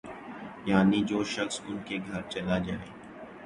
یعنی جو شخص ان کے گھر چلا جائے